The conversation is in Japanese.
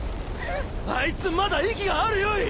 あいつまだ息があるよい！